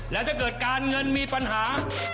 แล้วถ้าเกิดการเงินมีปัญหา